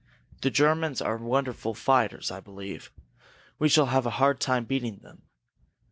The Germans are wonderful fighters, I believe. We shall have a hard time beating them.